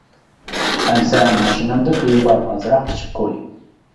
— ئەمىسە ماشىنامدا پىۋا بار، ئازراق ئىچىپ قوي.